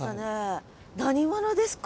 何者ですか？